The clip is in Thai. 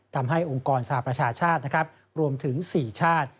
ทำให้องค์กรสหประชาชาติล้มถึง๔ชาติ